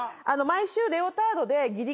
毎週レオタードで。